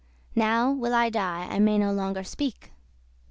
* *avenged Now will I die, I may no longer speak."